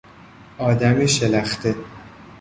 آدم شلخته